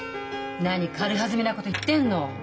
何軽はずみなこと言ってんの。